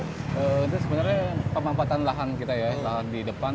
itu sebenarnya pemampatan lahan kita ya di depan